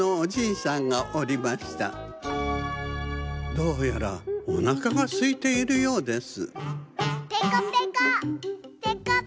どうやらおなかがすいているようです